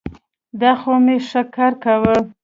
دا خو مي ښه کار کاوه.